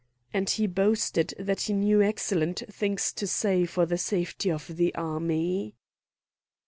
And he boasted that he knew excellent things to say for the safety of the army.